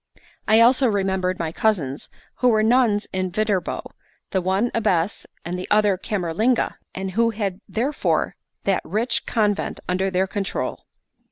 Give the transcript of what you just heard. I also remembered my cousins, who were nuns in Viterbo, the one abbess and the other camerlinga, and who had therefore that rich convent under their control.